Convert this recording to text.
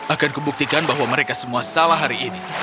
akanku buktikan bahwa mereka semua salah hari ini